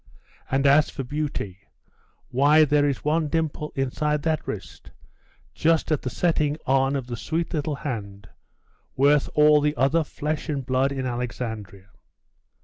And as for beauty why, there is one dimple inside that wrist, just at the setting on of the sweet little hand, worth all the other flesh and blood in Alexandria.